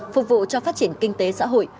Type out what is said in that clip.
phục vụ cho phát triển kinh tế xã hội